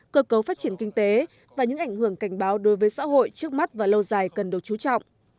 cơ cấu phát triển kinh tế và những ảnh hưởng cảnh báo đối với xã hội trước mắt và lâu dài cần được chú trọng